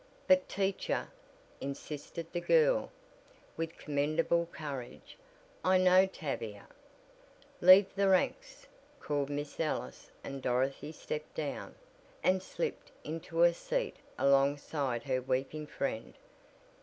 "But teacher " insisted the girl, with commendable courage, "I know Tavia " "Leave the ranks!" called Miss Ellis and Dorothy stepped down and slipped into a seat alongside her weeping friend.